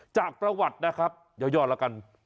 จากประวัตินะครับยอดแล้วกัน